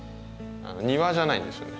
庭じゃないんですよね。